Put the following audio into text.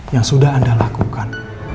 yang sudah anda lakukan